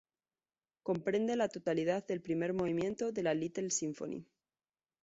Comprende la totalidad del primer movimiento de la "Little Symphony".